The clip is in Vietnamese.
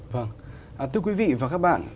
vâng thưa quý vị và các bạn